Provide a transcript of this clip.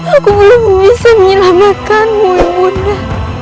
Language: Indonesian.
aku belum bisa menyelamatkanmu bunda